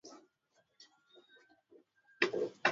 kukuletea makala haya ni mimi mtayarishaji na mtangazaji wako